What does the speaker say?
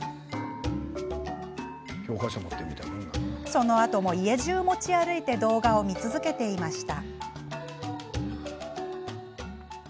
そのあとも家じゅうを持ち歩いて動画を見続けていました。